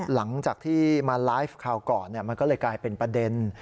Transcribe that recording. หลังจากที่มาไลฟ์คราวก่อนมันก็เลยกลายเป็นประเด็น